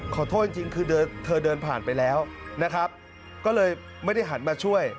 ขอโทษจริงคือเธอเดินผ่านไปแล้วนะครับก็เลยไม่ได้หันมาช่วย